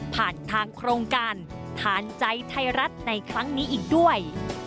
ผ่านทางโครงการทานใจไทยรัฐในครั้งนี้อีกด้วย